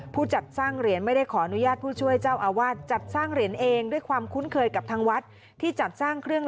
ผู้จัดสร้างเหรียญไม่ได้ขอนุญาตผู้ช่วยเจ้าอาวาส